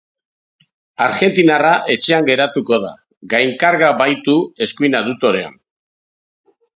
Argentinarra etxean geratuko da gainkarga baitu eskuin abduktorean.